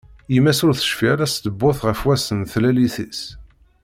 Yemma-s ur tecfi ara s ttbut ɣef wass n tlalit-is.